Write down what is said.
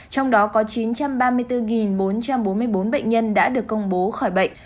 trong đó có chín trăm ba mươi bốn bốn trăm bốn mươi bốn bệnh nhân đã được công bố khỏi bệnh